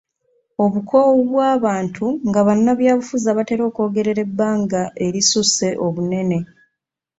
Obukoowu bw'abantu nga bannabyabufuzi abatera okwogerera ebbanga erisusse obunene.